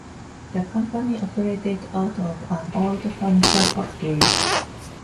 The company operated out of an old furniture factory.